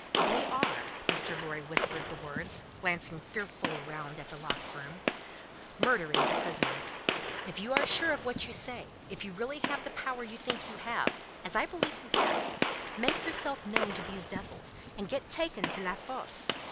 "They are," Mr. Lorry whispered the words, glancing fearfully round at the locked room, "murdering the prisoners. If you are sure of what you say; if you really have the power you think you have as I believe you have make yourself known to these devils, and get taken to La Force.